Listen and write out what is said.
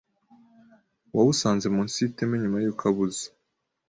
wawusanze munsi y’iteme nyuma y’uko abuze